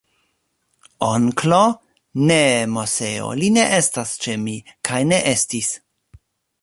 Onklo!? Ne, Moseo, li ne estas ĉe mi, kaj ne estis.